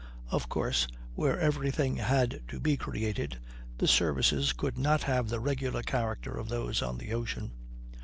Of course, where everything had to be created, the services could not have the regular character of those on the ocean.